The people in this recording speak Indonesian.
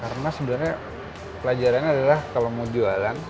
karena sebenarnya pelajarannya adalah kalau mau jualan